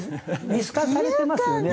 見透かされてますよね。